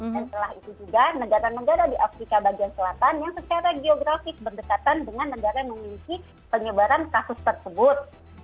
dan setelah itu juga negara negara di afrika bagian selatan yang secara geografis berdekatan dengan negara yang memiliki penyebaran kasus tersebut